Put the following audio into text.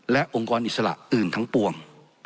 และองค์กรอิสระอื่นทั้งปวง